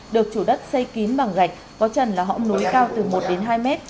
được chủ đất xây kín bằng gạch có trần là hõng núi cao từ một đến hai mét